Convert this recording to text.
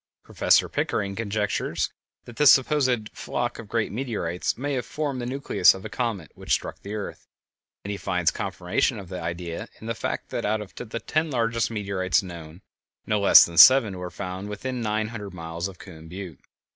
Professor Pickering conjectures that this supposed flock of great meteorites may have formed the nucleus of a comet which struck the earth, and he finds confirmation of the idea in the fact that out of the ten largest meteorites known, no less than seven were found within nine hundred miles of Coon Butte.